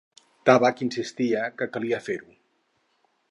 Tabac insistia que calia fer-ho.